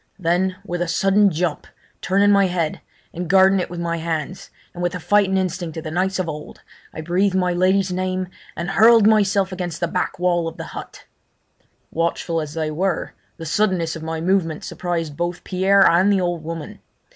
Then with a sudden jump, turning my head, and guarding it with my hands, and with the fighting instinct of the knights of old, I breathed my lady's name, and hurled myself against the back wall of the hut. Watchful as they were, the suddenness of my movement surprised both Pierre and the old woman.